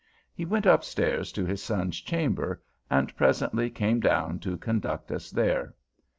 He went up stairs to his son's chamber, and presently came down to conduct us there.